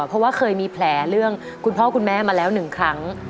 เพราะว่าเคยมีแผลเรื่องคุณพ่อคุณแม่มาแล้วหนึ่งครั้ง